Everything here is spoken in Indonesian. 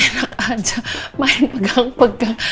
enak aja main pegang pegang